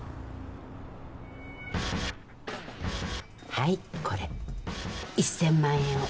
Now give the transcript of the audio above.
はいこれ１，０００万円を。